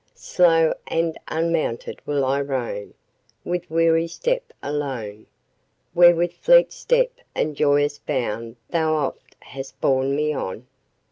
Slow and unmounted will I roam, with weary step alone, Where with fleet step and joyous bound thou oft hast borne me on!